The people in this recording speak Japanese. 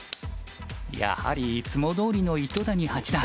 やはりいつもどおりの糸谷八段。